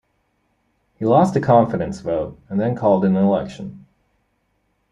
He lost a confidence vote and then called an election.